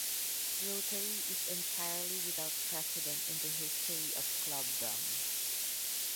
Rotary is entirely without precedent in the history of clubdom.